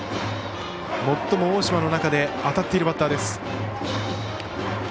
最も大島の中で当たっているバッターです。